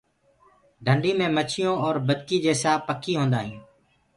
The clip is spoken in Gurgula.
ڍنڊي مي مڇيونٚ اور بدڪينٚ جيسآ پکي هوندآ هينٚ۔